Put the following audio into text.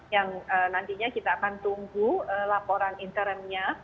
yang nantinya kita akan tunggu laporan interimnya